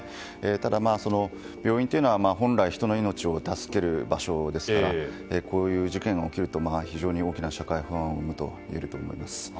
ただ、病院というのは本来、人の命を助ける場所ですからこういう事件が起きると非常に大きな社会不安を生むと思います。